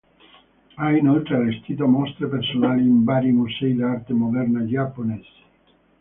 Ha inoltre allestito mostre personali in vari musei d'arte moderna giapponesi.